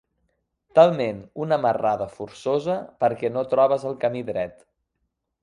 Talment una marrada forçosa perquè no trobes el camí dret.